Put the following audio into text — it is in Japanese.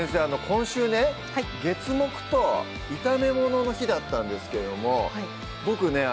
今週ね月・木と炒め物の日だったんですけどもボクね